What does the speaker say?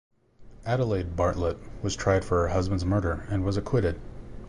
Adelaide Bartlett was tried for her husband's murder and was acquitted.